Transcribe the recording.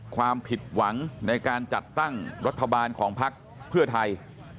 ความผิดหวังในการจัดตั้งรัฐบาลของพักเพื่อไทย